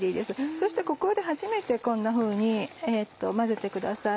そしてここで初めてこんなふうに混ぜてください。